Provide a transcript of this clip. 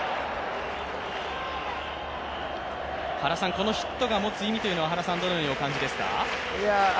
このヒットが持つ意味は、原さんはどのようにお感じですか？